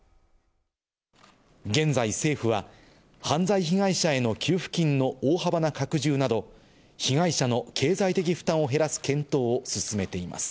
現在、政府は、犯罪被害者への給付金の大幅な拡充など、被害者の経済的負担を減らす検討を進めています。